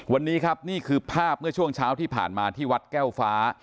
วันนี้ครับนี่คือภาพเมื่อช่วงเช้าที่ผ่านมาที่วัดแก้วฟ้า